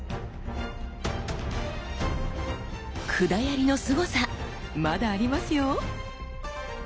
管槍のすごさまだありますよ！